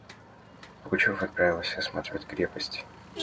Пугачев отправился осматривать крепость.